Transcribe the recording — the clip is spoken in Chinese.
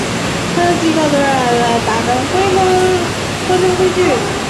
评价机构对本作给出的打分可谓中规中矩。